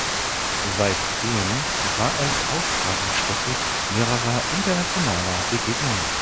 Seitdem war es Austragungsstätte mehrerer internationaler Begegnungen.